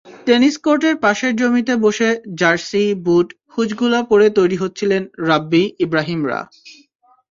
Tennis কোর্টের পাশের জমিতে বসে জার্সি, বুট, হুজগুলো পরে তৈরি হচ্ছিলেন রাব্বি-ইব্রাহিমরা।